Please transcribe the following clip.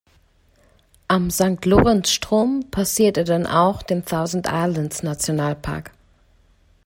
Am Sankt-Lorenz Strom passiert er dann auch den Thousand-Islands-Nationalpark.